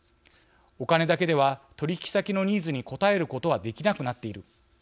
お金だけでは取引先のニーズに応えることはできなくなっている。